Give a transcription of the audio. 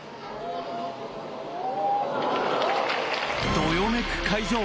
どよめく会場。